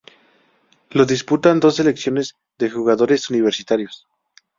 Lo disputan dos selecciones de jugadores universitarios.